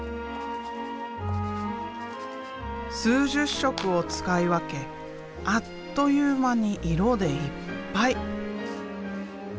数十色を使い分けあっという間に色でいっぱい。